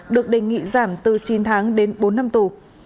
được đề nghị giảm từ chín tháng đến bốn năm tù